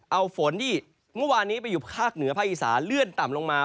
เอาฝนที่เมื่อวานนี้ไปอยู่ภาคเหนือภาคอีสานเลื่อนต่ำลงมา